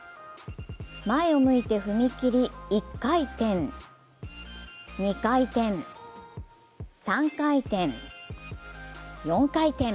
前を向いて踏み切り１回転、２回転、３回転、４回転。